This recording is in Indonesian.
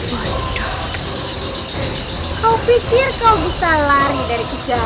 nah aku akan mengatakan saat seperti ini